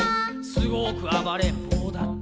「すごくあばれんぼうだって」